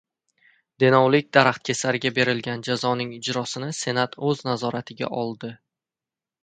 Denovlik daraxtkesarga berilgan jazoning ijrosini Senat o‘z nazoratiga oldi